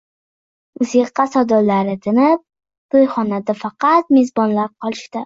Musiqa sadolari tinib, toʻyxonada faqat mezbonlar qolishdi